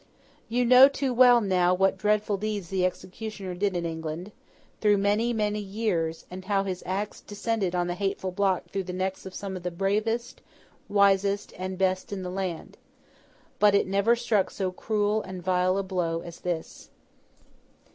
You know too well, now, what dreadful deeds the executioner did in England, through many, many years, and how his axe descended on the hateful block through the necks of some of the bravest, wisest, and best in the land. But it never struck so cruel and so vile a blow as this.